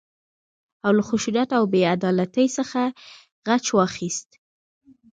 او له خشونت او بې عدالتۍ څخه غچ واخيست.